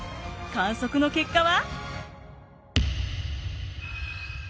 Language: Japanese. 観測の結果は。